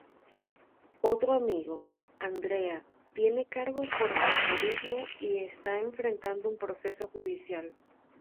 Otro amigo, Andrea, tiene cargos por terrorismo y está enfrentando un proceso judicial.